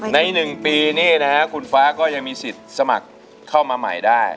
ใน๑ปีนี่นะฮะคุณฟ้าก็ยังมีสิทธิ์สมัครเข้ามาใหม่ได้